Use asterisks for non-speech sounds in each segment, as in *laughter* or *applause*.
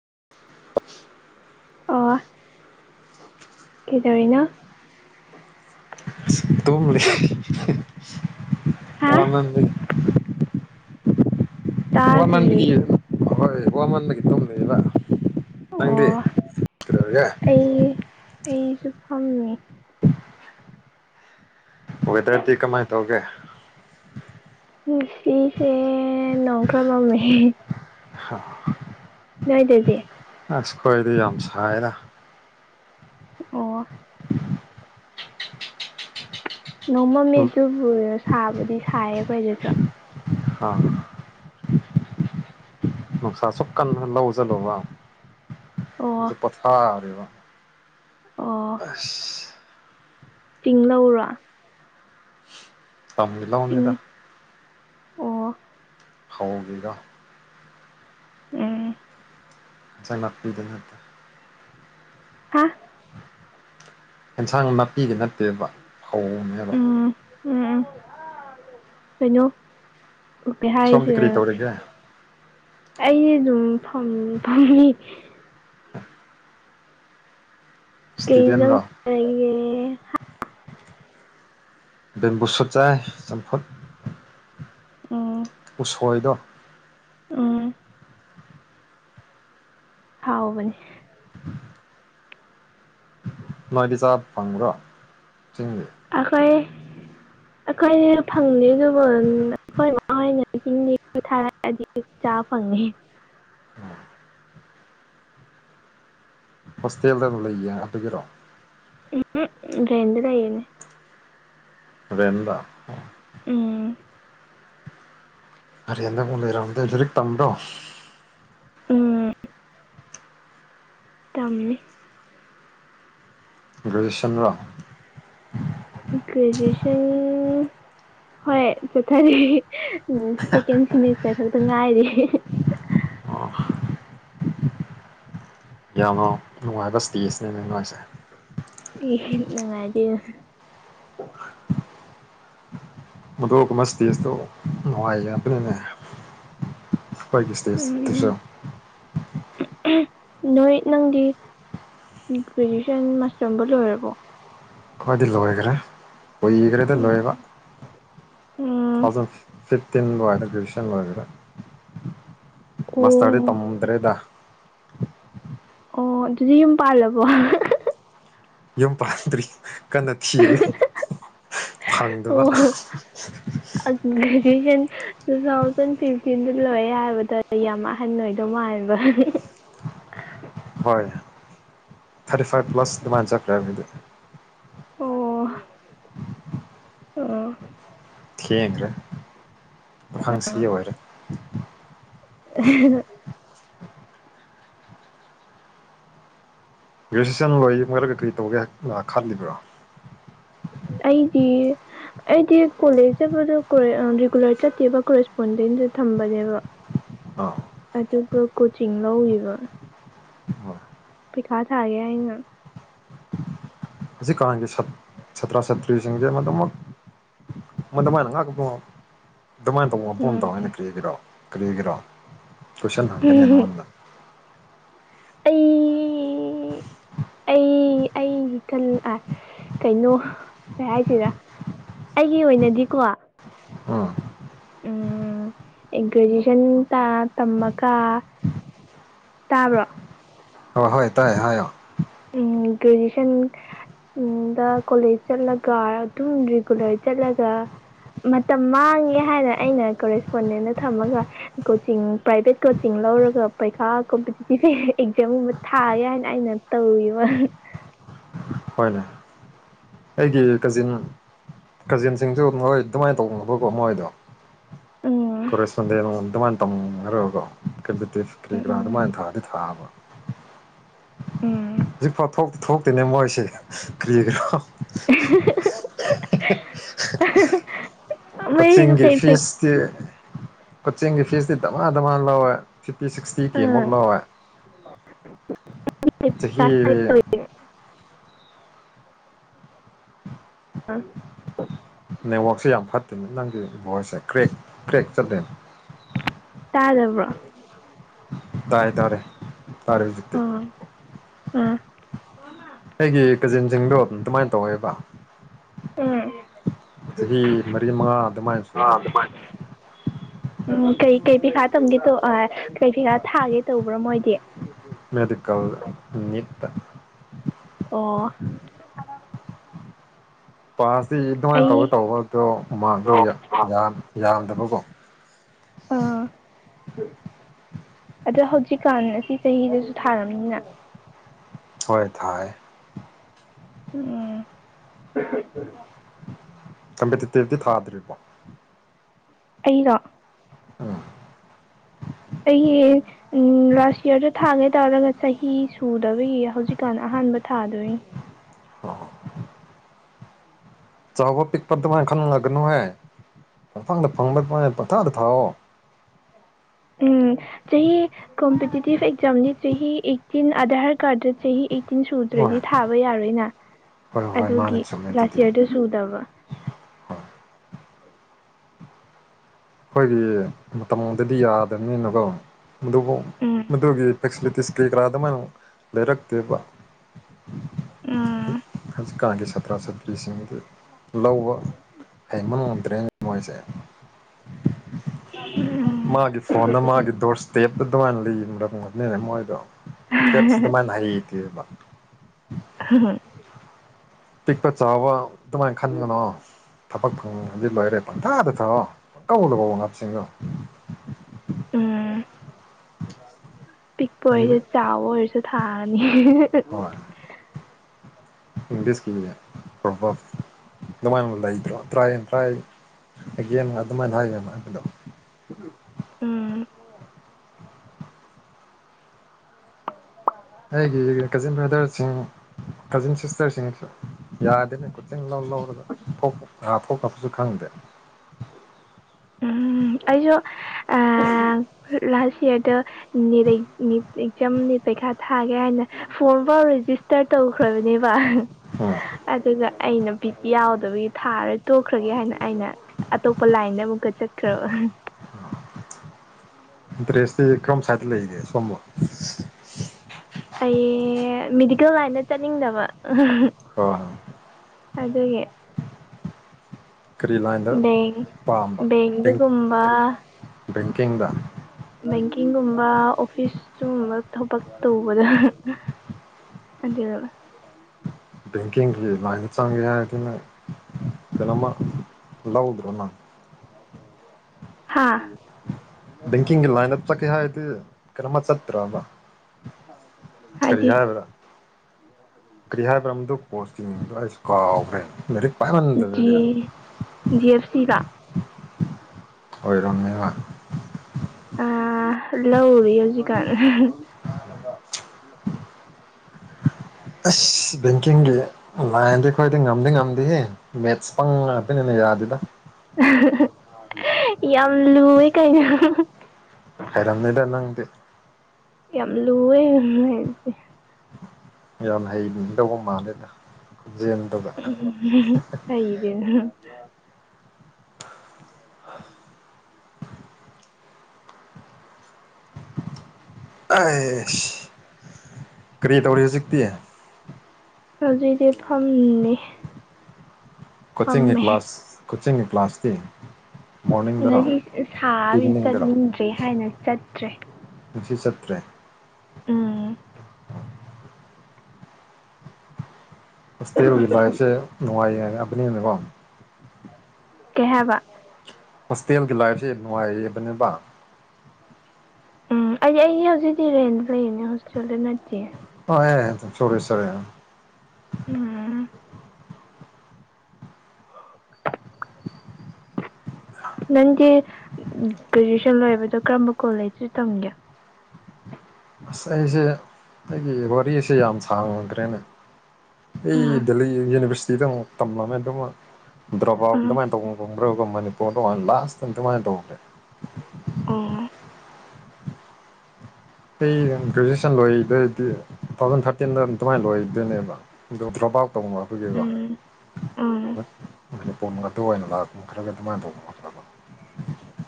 *inaudible* ꯑ ꯀꯗꯔꯤꯅ ꯇꯣꯡꯂꯦ ꯍꯥ ꯋꯥꯅ ꯂꯩ ꯋꯥꯟ ꯃꯟꯗꯒꯤ ꯇꯥꯗꯤꯌꯦ ꯍꯣꯏ ꯋꯥ ꯃꯟꯒꯤ ꯑꯗꯨꯝ ꯂꯩꯌꯦꯕ ꯊꯪꯗꯤꯒꯦ ꯑꯣ ꯑꯩ ꯑꯩꯁꯨ ꯐꯝꯃꯤ ꯍꯗ꯭ꯔꯗꯤ ꯀꯃꯥꯏ ꯇꯧꯒꯦ ꯅꯨꯡꯁꯤꯁꯦ ꯅꯣꯡꯈ꯭ꯔꯕꯃꯤ ꯑꯁ ꯅꯣꯏ ꯑꯗꯨꯗꯤ ꯑꯁ ꯈꯣꯏꯗꯤ ꯌꯥꯝ ꯁꯥꯏꯔ ꯑꯣ ꯅꯣꯡꯃ ꯃꯦꯆꯨꯕꯨ ꯁꯥꯕꯨꯗꯤ ꯁꯥꯏꯌꯦ ꯑꯩꯈꯣꯏꯗꯁꯨ ꯑ ꯅꯨꯡꯁꯥꯁꯨ ꯀꯟꯅ ꯂꯧꯁꯤꯜꯂꯣꯕ ꯑꯣ ꯍꯧꯛ ꯄꯣꯊꯥꯔꯦꯕ ꯑꯁ ꯇꯤꯡꯂꯧꯔ ꯁꯃꯂ ꯃꯅꯤꯗ ꯑꯣ ꯍꯒꯦꯒ ꯑ ꯄꯗ ꯉꯇ ꯍꯥ ꯑꯦꯟꯁꯥꯡ ꯅꯥꯄꯤꯒ ꯅꯠꯇꯦꯕ ꯐꯧꯅꯦꯕ ꯎꯝ ꯎꯝ ꯎꯝ ꯀꯩꯅꯣ ꯀꯩ ꯁꯣꯝꯗꯤ ꯍꯥꯏꯁꯦ ꯀꯔꯤ ꯇꯧꯔꯤꯒꯦ ꯑꯩ ꯁꯨꯝ ꯊꯝ ꯊꯝꯃꯤ ꯀꯩ ꯆꯪ ꯏꯁꯇꯨꯗꯦꯟꯔꯣ ꯕꯦꯝꯕꯨ ꯁꯨꯠ ꯆꯥꯏ ꯆꯝꯐꯨꯠ ꯑ ꯁꯣꯏꯗꯣ ꯑꯥ ꯍꯥꯎꯕꯅꯤ ꯅꯣꯏꯗꯤ ꯆꯥ ꯐꯪꯕ꯭ꯔꯣ ꯆꯤꯡꯁꯦ ꯑꯩꯈꯣꯏ ꯑꯩꯈꯣꯏꯅꯦ ꯐꯪꯅꯤꯒꯟ ꯑꯩꯈꯣꯏꯣꯏꯅꯤꯡ ꯊꯔꯗꯤ ꯆꯥ ꯐꯪꯉꯦ ꯎꯝ ꯍꯁꯇꯦꯜꯗꯅꯂ ꯀꯇ ꯀꯔꯣ ꯎꯝꯗ ꯇꯏꯅꯦ ꯔꯦꯟꯗ ꯎꯝ ꯍꯔꯟꯗ ꯂꯩꯔꯝꯗꯦ ꯍꯧꯖꯤꯛ ꯇꯝꯕ꯭ꯔꯣ ꯎꯝ ꯇꯝꯃꯦ ꯒ꯭ꯔꯦꯖꯨꯋꯌꯦꯁꯟꯣ *unintelligible* ꯍꯣꯏ ꯆꯠꯊꯔꯤ ꯎꯝ ꯁꯦꯀꯦꯟ ꯁꯦꯃꯤꯁꯇꯔ ꯈꯛꯇ ꯉꯥꯏꯔꯤ ꯑꯣ ꯌꯥꯝꯅ ꯅꯨꯡꯉꯥꯏꯕ ꯁꯇꯁꯤꯅꯦ ꯅꯣꯏꯁꯦ ꯉꯗꯤ ꯃꯗꯨꯣꯛꯒꯨꯝꯕ ꯏꯁꯇꯦꯖꯇꯣ ꯅꯨꯡꯉꯥꯏꯒ ꯑꯗꯨꯅꯤꯅꯦ ꯍꯒꯤꯁꯇꯁꯁꯨ ꯎꯝ ꯅꯣꯏ ꯅꯪꯒꯤ ꯒ꯭ꯔꯦꯖꯨꯌꯦꯁꯟ ꯃꯥꯁꯇꯔ ꯑꯃꯕ ꯂꯣꯏꯔꯔꯕꯣ ꯑꯩꯏꯗꯤ ꯂꯣꯏꯈ꯭ꯔꯦ ꯀꯏꯈ꯭ꯔꯦꯗ ꯂꯣꯏꯕ ꯎꯝ ꯎꯝ ꯐꯤꯐꯇꯤꯟꯕꯨ ꯍꯥꯏꯔ ꯇ꯭ꯌꯨꯁꯟ ꯑꯣꯏꯔ ꯃꯁꯇꯔꯗꯤ ꯑꯣ ꯇꯝꯗ꯭ꯔꯦꯗ *unintelligible* ꯑꯣ ꯑꯗꯨꯗꯤ ꯌꯨꯝ ꯄꯥꯜꯂꯕꯣ ꯌꯨꯝ ꯄꯥꯗ꯭ꯔꯤ ꯀꯟꯅ ꯊꯤꯔꯦ ꯍꯪꯗꯕ ꯑꯣ ꯒ꯭ꯔꯦꯖꯨꯑꯦꯁꯟ ꯇꯨ ꯊꯥꯎꯖꯟ ꯐꯤꯐꯇꯤꯟꯗ ꯂꯣꯏꯦ ꯍꯥꯏꯕꯗ ꯌꯥꯝ ꯑꯍꯟ ꯑꯣꯏꯗꯧ ꯃꯥꯜꯕ ꯎ *unintelligible* ꯊꯔꯇꯤ ꯐꯥꯏ ꯄ꯭ꯂꯁꯃ ꯆ ꯑꯣ ꯑꯣ ꯊꯦꯡꯈ꯭ꯔꯦ ꯄꯥꯈꯪꯁꯤ ꯑꯣꯏꯔꯦ ꯑ ꯒ꯭ꯔꯦꯖꯨꯑꯦꯁꯟ ꯂꯣꯏ ꯈꯔ ꯀꯔꯤ ꯀꯔꯤ ꯇꯧꯒꯦ ꯍꯥꯏ ꯈꯜꯂꯤꯕ꯭ꯔꯣ ꯑꯩꯗꯤ ꯑꯩꯗꯤ ꯀꯣꯂꯦꯖ ꯆꯠꯗ ꯔꯤꯒꯨꯂꯔ ꯆꯠꯇꯦꯕ ꯀꯣꯔꯦꯖꯄꯣꯟꯗꯩ ꯁꯨ ꯊꯝꯕꯅꯦꯕ *unintelligible* ꯑꯆꯄ ꯀꯣꯆꯤꯡ ꯂꯧꯔꯤꯕ ꯍꯣꯏ ꯄꯤꯀꯥ ꯊꯥꯒ ꯏꯩꯅ ꯑꯁꯤ ꯀꯥꯟꯒꯤ ꯁꯥꯠꯇ꯭ꯔ ꯁꯥꯠꯇꯇ꯭ꯔꯤꯁꯤꯡꯁꯦ ꯃꯗꯨꯃꯛ ꯃꯗꯃꯅ ꯀ ꯀꯄ ꯑꯗꯨꯃꯥꯏꯅ ꯇꯧꯕ ꯃꯐꯝ ꯑꯃꯗꯧ ꯎꯝ ꯑꯩꯅ ꯀ꯭ꯔꯤꯒꯤꯔꯣ ꯀꯔꯤꯒꯤꯔꯣ ꯀꯣꯏꯁꯟ ꯍꯪꯒꯅꯤ ꯅꯉꯣꯟꯗ ꯑꯩ ꯑꯩ ꯑꯩ ꯑꯩꯜ ꯀꯩꯅꯣ ꯀꯩ ꯍꯥꯏꯁꯤꯔꯥ ꯑꯩꯒꯤ ꯑꯣꯏꯅꯗꯤꯀꯣ ꯎꯝ ꯎꯝ ꯒ꯭ꯔꯦꯖꯨꯌꯦꯁꯟ ꯇ ꯇꯝꯃꯒ ꯇꯥꯕ꯭ꯔꯣ ꯍꯣꯏ ꯍꯣꯏ ꯇꯥꯏꯦ ꯍꯥꯏꯌꯣ ꯎꯝ ꯭ꯒꯔꯦꯖꯨꯌꯦꯁꯟ ꯗ ꯀꯣꯂꯦꯖ ꯆꯠꯂꯒ ꯑꯗꯨꯝ ꯔꯤꯒꯨꯂꯔ ꯆꯠꯂꯒ ꯃꯇꯝ ꯃꯥꯡꯉꯦ ꯍꯥꯏꯅ ꯑꯩꯅ ꯀꯣꯔꯦꯁꯄꯣꯟꯗꯦꯗ ꯊꯝꯃꯒ ꯀꯣꯆꯤꯡ ꯄ꯭ꯔꯥꯏꯚꯦꯠ ꯀꯣꯆꯤꯡ ꯂꯧꯔꯒ ꯄꯔꯤꯈꯥ ꯀꯝꯄꯤꯇꯤꯇꯤꯞ ꯑꯦꯛꯖꯥꯝꯒꯨꯝꯕ ꯊꯥꯒꯦ ꯍꯥꯏꯅ ꯑꯩꯅ ꯇꯧꯈꯤꯕ ꯍꯣꯏꯅꯦ ꯑꯩꯒꯤ ꯀꯖꯤꯟ ꯀꯖꯤꯟꯁꯤꯡꯁꯨ ꯃꯣꯏ ꯑꯗꯨꯃꯥꯏꯅ ꯇꯧꯕꯅꯕꯀꯣ ꯃꯣꯏꯗꯣ ꯎꯝ ꯀꯣꯔꯦꯁꯄꯣꯟꯗꯦꯟ ꯇꯧꯅꯔꯒ ꯀꯣ ꯀꯝꯄꯤꯇꯤꯞ ꯀꯔꯤ ꯀꯔꯥ ꯎꯝ ꯑꯗꯨꯃꯥꯏꯅ ꯊꯥꯗꯤ ꯊꯥꯕ ꯎꯝ ꯍꯧꯖꯤꯛꯐꯥꯎꯇ ꯊꯣꯛꯇꯦꯅꯦ ꯃꯣꯏꯁꯦ ꯀꯔꯤꯈ꯭ꯔꯣ *inaudible* ꯃꯌꯦꯛ ꯀꯆꯤꯡꯒꯤ ꯀꯩ ꯄꯩ ꯐꯤꯁꯇꯤ ꯀꯛꯆꯤꯡꯒꯤ ꯐꯤꯁꯇꯤ ꯗꯃ ꯗꯃ ꯂꯧꯋꯦ ꯐꯤꯐꯇꯤ ꯁꯤꯛꯁꯇꯤ ꯀꯦ ꯃꯨꯛ ꯂꯧꯋꯦ *inaudible* ꯆꯍꯤ ꯑ *inaudible* ꯅꯦꯠꯋꯥꯛꯛꯁꯦ ꯌꯥꯝ ꯐꯠꯇꯦꯅꯦ ꯅꯪꯒꯤ ꯚꯣꯏꯁꯦ ꯀ꯭ꯔꯦꯛ ꯀ꯭ꯔꯦꯛ ꯆꯠꯂꯦꯅꯦ ꯇꯥꯗꯕꯔꯣ ꯇꯥꯏꯌꯦ ꯇꯥꯔꯦ ꯇꯥꯔꯦ ꯍꯧꯛꯇꯤ ꯑꯥ ꯑꯥ ꯑꯩꯒꯤ ꯀꯖꯤꯟꯁꯤꯡꯗꯣ ꯑꯗꯨꯝ ꯑꯗꯨꯃꯥꯏꯅ ꯇꯧꯋꯦꯕ ꯑꯝ ꯆꯍꯤ ꯃꯔꯤ ꯃꯉꯥ ꯑꯗꯨꯃꯥꯏꯅ ꯁꯨꯔꯦ ꯎꯝ ꯀꯩ ꯀꯩ ꯄꯩꯈꯥ ꯇꯧꯒꯦ ꯇ ꯀꯩ ꯄꯩꯈꯥ ꯊꯥꯒꯦ ꯇꯧꯕ꯭ꯔꯣ ꯃꯣꯏꯗꯤ ꯃꯦꯗꯤꯀꯦꯜ ꯃꯤ ꯑꯣ ꯄꯥꯁꯇꯤ ꯑꯗꯨꯃꯥꯏꯅ ꯑꯩ ꯇꯧꯔ ꯇꯧꯕꯗꯣ ꯃꯥꯡꯗꯣ ꯌꯥꯝꯗꯕꯀꯣ ꯑꯥ *unintelligible* ꯑꯗꯣ ꯍꯧꯖꯤꯛꯀꯥꯟ ꯑꯁꯤ ꯆꯍꯤꯗꯁꯨ ꯊꯥꯔꯝꯅꯤꯅ ꯍꯣꯏ ꯊꯥꯏ ꯎꯝ ꯀꯣꯝꯀꯤꯇꯤꯇꯤꯞ ꯇꯤ ꯊꯥꯗ꯭ꯔꯤꯕꯔꯣ ꯑꯩꯂꯣ ꯑꯩꯒꯤ ꯎ ꯂꯥꯁ ꯌꯌꯥꯔꯗ ꯊꯥꯒꯦ ꯇꯥꯔꯒ ꯆꯍꯤ ꯁꯨꯗꯕꯒꯤ ꯍꯧꯖꯤꯛꯀꯥꯟ ꯑꯍꯥꯟꯕ ꯑꯍꯥꯟꯕ ꯊꯥꯗꯣꯏꯅꯤ ꯆꯥꯎꯕꯥ ꯄꯤꯛꯄ ꯗꯨꯃꯥꯢ ꯈꯥꯟꯒꯅꯨꯍꯦ ꯄꯥꯡꯐꯥꯡꯗ ꯐꯪꯕ ꯄꯪꯊꯥꯗ ꯊꯥꯎꯑꯣ ꯎꯝ ꯆꯍꯤ ꯀꯣꯝꯄꯤꯇꯤꯇꯤꯚ ꯑꯦꯛꯖꯥꯝꯅꯤ ꯆꯍꯤ ꯑꯩꯇꯤꯟ ꯑꯙꯥꯔ ꯀꯥꯔꯗ ꯆꯍꯤ ꯑꯩꯇꯤꯟ ꯍꯣꯏ ꯁꯨꯗ꯭ꯔꯗꯤ ꯊꯥꯕ ꯌꯥꯔꯣꯏꯅ ꯍꯣꯏ ꯍꯣꯏ ꯃꯥꯅꯦ ꯑꯗꯨꯒꯤ ꯆꯨꯝꯃꯦ ꯑꯗꯨꯗꯤ ꯂꯥꯁ ꯌꯔꯗꯣ ꯁꯨꯗꯕ ꯍꯣꯏ ꯑꯩꯈꯣꯏꯗꯤ ꯃꯇꯝꯗꯗꯤ ꯌꯥꯗꯕꯅꯤꯅꯀꯣ ꯃꯗꯨꯕꯨ ꯎꯝ ꯃꯗꯨꯒꯤ ꯐꯦꯁꯤꯂꯤꯇꯤꯁ ꯀꯩ ꯀꯔꯥ ꯑꯗꯨꯃꯥꯏꯅ ꯂꯩꯔꯛꯇꯦꯕ ꯑꯝ ꯍꯧꯖꯤꯛꯀꯥꯟꯒꯤ ꯁꯥꯇ꯭ꯔ ꯁꯥꯇ꯭ꯔꯤꯁꯤꯡꯗꯤ ꯂꯧꯕ ꯍꯩꯕ ꯉꯝꯗ꯭ꯔꯦ ꯃꯣꯏꯁꯦ *inaudible* ꯎꯝ ꯃꯥꯒꯤ ꯐꯣꯟꯗ ꯃꯥꯒꯤ ꯗꯣꯔ ꯏꯁꯇꯦꯞꯇ ꯑꯗꯨꯃꯥꯏꯅ ꯂꯩꯔꯒꯅꯤꯅꯦ ꯃꯣꯏꯗꯣ ꯀꯦꯞꯁ ꯑꯗꯨꯃꯥꯏꯅ ꯍꯩꯇꯦꯕ ꯍꯥ ꯍꯥ ꯄꯤꯛꯄ ꯆꯥꯎꯕ ꯑꯗꯨꯃꯥꯏꯅ ꯈꯟꯒꯅꯣ ꯊꯕꯛ ꯐꯪꯅꯤꯡꯕꯗꯤ ꯂꯣꯏꯔꯦ ꯄꯪꯊꯥꯗ ꯊꯧꯑꯣ ꯕꯪꯇꯧꯗ ꯇꯧꯑꯣ ꯑꯉꯥꯡꯁꯤꯡꯗꯣ ꯎꯝ ꯄꯤꯛꯕ ꯑꯣꯢꯔꯁꯨ ꯆꯥꯎꯕ ꯁꯨ ꯊꯥꯒꯅꯤ ꯏꯗꯤꯁꯀꯤ꯭ꯔ *inaudible* ꯑꯗꯨꯃꯥꯏ ꯂꯩꯇ꯭ꯔꯣ ꯇ꯭ꯔ ꯇ꯭ꯔꯥꯏ ꯑꯀꯦꯟ ꯑꯗꯨꯃꯥꯏ ꯍꯥꯏ ꯂꯩꯕꯗꯣ ꯎꯝ ꯑꯩꯒꯤ ꯀꯖꯤꯟ ꯕ꯭ꯔꯥꯗꯔꯁꯤꯡ ꯀꯖꯤꯟ ꯁꯤꯁꯇꯔꯁꯤꯡꯁꯨ ꯌꯥꯗꯦꯅꯦ ꯀꯣꯆꯤꯡ ꯂꯧ ꯒ ꯊꯣꯛ ꯊꯣꯛꯂꯄꯁꯨ ꯈꯪꯗꯦ ꯎꯝ ꯑꯩꯁꯨ ꯂꯥꯁ ꯏꯌꯥꯔꯗꯠꯅꯤꯠ ꯑꯦꯛꯖꯥꯝ ꯄꯩꯈꯥ ꯊꯥꯒꯦ ꯍꯥꯏꯅ ꯐꯣꯔꯝꯐꯥꯎ ꯔꯦꯖꯤꯁꯇꯔ ꯇꯧꯈ꯭ꯔꯕꯅꯦꯕ ꯎꯝ ꯑꯗꯨꯒ ꯑꯩꯅ ꯕꯤꯤꯠꯤ ꯌꯥꯎꯗꯕꯒꯤ ꯊꯥꯔꯣꯏ ꯇꯣꯛꯈ꯭ꯔꯒꯦ ꯍꯥꯏꯅ ꯑꯩꯅ ꯑꯇꯣꯞꯄ ꯂꯥꯏꯟꯗ ꯑꯃꯨꯛꯀ ꯆꯠꯈ꯭ꯔꯣ ꯇ꯭ꯔꯦꯁꯇꯤ ꯑꯦꯝ ꯁꯥꯥꯏꯗ ꯂꯩꯗꯦ ꯁꯣꯝꯃ ꯑꯩ ꯃꯦꯗꯤꯀꯦꯜ ꯂꯥꯏꯟꯗ ꯆꯠꯅꯤꯡꯗꯕ ꯍ ꯍ ꯑꯗꯨꯒ ꯀꯔꯤ ꯂꯥꯏꯟꯗ ꯕꯦꯡ ꯄꯥꯝꯕ ꯕꯦꯡꯗꯒꯨꯝꯕ ꯕꯦꯡꯀꯤꯡꯗ ꯕꯦꯡꯀꯤꯡꯒꯨꯝꯕ ꯑꯣꯐꯤꯁ ꯁꯨꯝꯨꯝꯕ ꯊꯕꯛ ꯇꯧꯕꯗ ꯑꯗꯨꯗ *unintelligible* ꯅꯃ ꯅ ꯑꯣꯏꯗꯔꯣꯅꯥ ꯍꯥꯥ ꯕꯦꯡꯀꯤꯡꯒꯤ ꯂꯥꯏꯟꯗ ꯆꯠꯀꯦ ꯍꯥꯏꯗꯤ ꯀꯩꯅꯣꯝꯃ ꯆꯠꯇ꯭ꯔꯣꯕ ꯍ *inaudible* ꯀꯔꯤꯍꯥꯢꯕꯗ ꯀꯔꯤ ꯍꯥꯏꯕ꯭ꯔ ꯑꯗꯣ ꯄꯣꯁꯒꯤꯡ ꯃꯃꯤꯡꯗꯣ ꯑꯩꯁꯨ ꯀꯥꯎꯒꯔꯦ ꯂꯥꯏꯔꯤꯛ ꯖꯤ ꯄꯥꯏꯃꯟꯗꯕꯒꯤꯔ ꯑꯦꯐ ꯁꯤ ꯀ ꯑꯣꯏꯔꯣꯃꯦꯕ ꯑ ꯂꯧꯔꯤ ꯍꯧꯖꯤꯛꯀꯥꯟ ꯑꯁ ꯕꯦꯡꯀꯤꯡꯒꯤ ꯂꯥꯏꯟꯗꯤ ꯑꯩꯈꯣꯏꯗꯤ ꯉꯝꯗꯤ ꯉꯝꯗꯤꯦꯍꯦ ꯃꯦꯠꯁ ꯄꯪ ꯉꯥꯛꯇꯅꯤꯅ ꯌꯥꯗꯤꯗ ꯌꯥꯝ ꯂꯨꯑꯦ ꯀꯥꯏꯩꯅꯣ ꯍꯔꯝꯅꯗꯗꯤ ꯌꯥꯝ ꯂꯨꯑꯦꯉꯁꯦ ꯌꯥꯝ ꯍꯩꯅꯤꯡꯗꯧꯕ ꯃꯥꯜꯂꯦꯗ ꯈꯣꯟꯖꯦꯜꯗꯨꯒ ꯍꯗ ꯑꯦꯁ ꯀꯔꯤ ꯇꯧꯔꯤ ꯍꯧꯖꯤꯛꯇꯤ ꯑꯗꯨꯏꯗꯤ ꯐꯝꯃꯤ ꯀꯣꯆꯤꯡꯒꯤ ꯐꯝꯃꯦ ꯀ꯭ꯂꯥꯁ ꯀꯣꯆꯤꯡꯒꯤ ꯀ꯭ꯂꯥꯁꯀꯤ ꯉꯗꯤ ꯁꯥꯕꯤ ꯆꯠꯅꯤꯡꯗ꯭ꯔꯦ ꯍꯥꯏꯅ ꯆꯠꯇ꯭ꯔꯦ ꯁꯤ ꯁꯠꯇꯔꯦ ꯑꯝ ꯑꯇꯦꯕꯒꯤ ꯂꯥꯏꯐꯁꯦ ꯅꯨꯡꯉꯥꯏ ꯍꯥꯏꯕꯅꯤꯅꯀꯣ ꯀꯍꯕ ꯍꯣꯁꯇꯦꯜꯒꯤ ꯂꯥꯏꯐꯁꯤꯦ ꯅꯨꯡꯉꯥꯏꯔꯤꯕꯅꯦꯕ ꯎꯝ ꯑꯩ ꯑꯩꯒꯤ ꯍꯧꯖꯤꯛꯇꯤ ꯏ ꯔꯦꯟꯗ ꯂꯩꯔꯤꯅꯦ ꯍꯣꯁꯇꯦꯜꯗ ꯅꯠꯇꯦ ꯍ ꯆ ꯆꯔꯦ ꯎꯝ ꯅꯪꯗꯤ ꯒ꯭ꯔꯦꯖꯨꯋꯦꯁꯟ ꯂꯣꯏꯕꯗꯣ ꯀꯔꯝꯕ ꯀꯣꯂꯦꯖꯇ ꯇꯝꯒꯦ ꯑꯁ ꯑꯩꯁꯦ ꯑꯩꯒꯤ ꯋꯥꯔꯤꯁꯦ ꯌꯥꯝ ꯁꯥꯡꯉꯗ꯭ꯔꯦꯅꯦ ꯑꯩ ꯎꯝ ꯗꯜꯂꯤ ꯌꯨꯅꯤꯚꯔꯁꯤꯇꯤꯗ ꯇꯝꯅꯥꯃꯦꯟꯇ ꯗ꯭ꯔꯕꯞ ꯎꯝ ꯗꯃꯥꯏꯅ ꯇꯧꯕꯣ ꯀ ꯃꯅꯤꯄꯨꯔ ꯇꯂ ꯑꯁꯦꯟꯗꯨ ꯃꯥꯥꯏ ꯇꯦ ꯑꯣ ꯑꯩ ꯒ꯭ꯔꯦꯖꯨꯑꯦꯁꯟ ꯂꯣꯏꯗꯣꯏꯗꯤ ꯇꯨ ꯊꯥꯎꯖꯟ ꯊꯥꯔꯇꯤꯟꯗ ꯑꯗꯨꯝ ꯑꯗꯨꯃꯥꯏꯅ ꯂꯣꯏꯗꯣꯏꯅꯦꯕ ꯑꯣ ꯗ꯭ꯔꯣꯞ ꯑꯥꯎꯠ ꯇꯧꯅꯈꯒꯤꯀꯣ ꯎꯝ ꯃꯅꯤꯄꯨꯔꯛꯇ ꯑꯣꯏꯅ ꯂꯥꯛꯄꯈ꯭ꯔꯒ ꯑꯗꯨꯃꯥꯏꯅ ꯇꯧꯕ ꯈꯈ꯭ꯔꯕ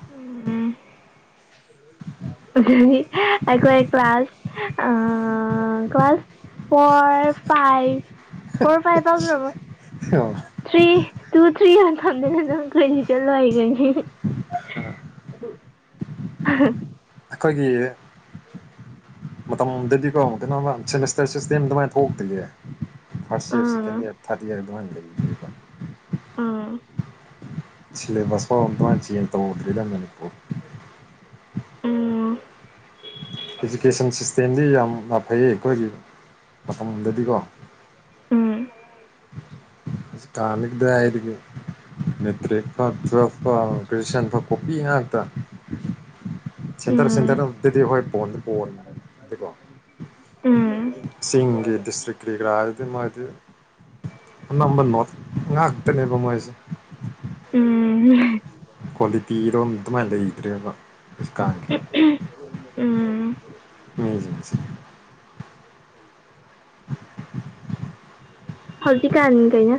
ꯎꯝ ꯎꯝ *unintelligible* ꯑꯩꯈꯣꯏ ꯀ ꯀ꯭ꯂ ꯀ꯭ꯂꯥꯁ ꯑ ꯀ class four five four five ꯇꯁꯨꯔꯕꯣ ꯑꯦ ꯇꯨ ꯊ꯭ꯔꯤ ꯌꯥꯝꯥꯟ ꯐꯝꯗꯅ ꯅꯪ ꯀꯣꯏꯗꯤ ꯆꯠꯂꯏꯈꯅꯤ *unintelligible* ꯑꯩꯈꯣꯏꯒꯤ ꯃꯇꯝꯗꯗꯤꯀꯣ ꯀꯩꯅꯣꯃ ꯁꯦꯃꯤꯁꯇꯔ ꯁꯤꯁꯇꯦꯝ ꯑꯗꯨꯃꯥꯏꯅ ꯊꯣꯛꯇ꯭ꯒꯦ first year second um year ꯊꯥꯗ ꯏꯌꯔ ꯑꯗꯨꯃ ꯥꯏ ꯂꯩꯕꯅꯦ ꯕ ꯑꯥ ꯁꯤꯂꯩꯃꯥ ꯁꯣ ꯃꯄꯥꯜ *unintelligible* ꯇꯧꯗꯔꯤꯗꯥ ꯃꯅꯤꯄꯨꯔ ꯎꯝ ꯏꯖꯨꯀꯦꯁꯟ ꯁꯤꯁꯇꯦꯝꯗꯤ ꯌꯥꯝꯅ ꯐꯩ ꯑꯩꯈꯣꯏꯒꯤ ꯃꯇꯝꯗꯗꯤꯀꯣ ꯎꯝ ꯍꯧꯖꯤꯛꯀꯥꯟꯗꯤ ꯀꯗꯥꯏꯗꯒꯤ ꯃꯦꯇꯔꯤꯛ ꯐꯥꯎ ꯇꯋꯤꯜꯞ ꯐꯥꯎ ꯀ꯭ꯔꯤꯁꯟ ꯐꯥꯎ ꯀꯣꯄꯤ ꯉꯥꯛꯇꯥ ꯁꯦꯟꯇꯔ ꯎꯝ ꯁꯦꯟꯊꯔꯗꯗꯤ ꯍꯣꯟꯗꯤ ꯍꯣꯏ ꯄꯣꯟꯗꯤ ꯄꯣꯟꯗꯤꯀꯣ ꯎꯝ ꯆꯤꯡꯒꯤ ꯗꯤꯁꯇ꯭ꯔꯤꯛ ꯀꯔꯤ ꯀꯔꯥ ꯑꯗꯨꯗꯤ ꯃꯗꯤ ꯑꯅꯝꯕ ꯅꯣꯠ ꯉꯥꯛꯇꯅꯦꯕ ꯃꯣꯏꯁꯦ ꯎꯝ ꯀ꯭ꯋꯥꯂꯤꯇꯤꯔꯣꯝ ꯑꯗꯨꯃꯥꯏꯅ ꯂꯩꯗ꯭ꯔꯦꯕ ꯍꯧꯖꯤꯀꯥꯟꯒꯤ ꯎꯝ ꯃꯤꯖꯤꯡꯁꯤ *unintelligible* *unintelligible* ꯍꯧꯖꯤꯛ ꯀꯥꯟ ꯀꯩꯅꯣ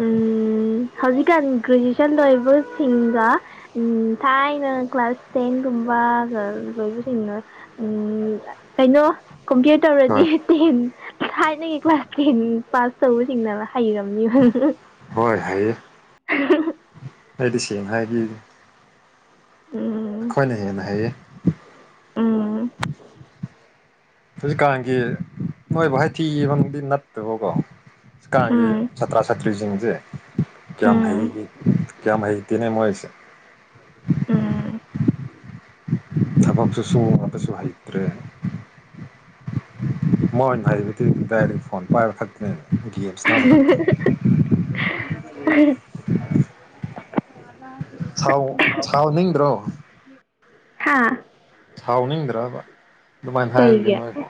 ꯎꯝ ꯍꯧꯖꯤꯛꯀꯥꯟ ꯒ꯭ꯔꯦꯖꯨꯌꯦꯁꯟ ꯂꯣꯏꯕ ꯁꯤꯡꯒ ꯊꯥꯏꯅ ꯀ꯭ꯂꯥꯁ ꯇꯦꯟꯒꯨꯝꯕ ꯒ ꯂꯣꯏꯕꯁꯤꯡꯅ ꯎꯝ ꯀꯩꯅꯣ ꯀꯝꯄꯌꯔ ꯇꯧꯔꯗꯤ ꯍꯣꯏ ꯇꯤꯟ ꯊꯥꯏꯅꯒꯤ ꯀ꯭ꯂꯥꯁ ꯇꯦꯟ ꯄꯥꯁ ꯇꯧꯕꯁꯤꯡꯅ ꯍꯩꯔꯝꯅꯤ *inaudible* ꯍꯣꯏ ꯍꯩꯌꯦ ꯑꯩꯗꯤ ꯁꯦꯡꯅ ꯍꯥꯏꯕꯤ ꯎꯝ ꯑꯩꯈꯣꯏꯅ ꯍꯦꯟꯅ ꯍꯩꯌꯦ ꯎꯝ ꯍꯧꯖꯤꯛꯀꯥꯟꯒꯤ ꯅꯣꯏꯕꯨ ꯍꯥꯏꯊꯤ ꯃꯔꯗꯤ ꯅꯠꯇꯕꯀꯣ ꯍꯧꯀꯥꯟꯒꯤ ꯎꯝ ꯁꯥꯇ꯭ꯔ ꯁꯥꯇ꯭ꯔꯤꯁꯤꯡꯁꯦ ꯀꯌꯥꯝ ꯎꯝ ꯍꯩꯈꯤ ꯀꯌꯥꯝ ꯍꯩꯇꯦꯅꯦ ꯃꯣꯏꯁꯦ ꯎꯝ ꯊꯕꯛꯁꯨ ꯁꯨꯨ ꯃꯇꯁꯨ ꯍꯩꯇꯔ꯭ꯦ ꯃꯣꯏꯅ ꯍꯩꯕꯗꯤ ꯗꯥꯏꯂꯤꯐꯣꯟ ꯄꯥꯏꯕ ꯈꯛꯇꯅꯦ ꯒꯦꯝ ꯁꯅꯥꯕ ꯈꯛꯇ *inaudible* ꯁꯥꯎ ꯁꯥꯎꯅꯤꯡꯗ꯭ꯔꯣ ꯍꯥꯥ ꯁꯥꯎꯅꯤꯡꯗ꯭ꯔꯕ ꯑꯗꯨꯃꯥꯏꯅ ꯍꯥꯏꯕꯗꯨ ꯀꯩꯒꯤ ꯅꯣꯏꯕꯣ